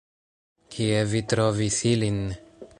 Kie vi trovis ilin?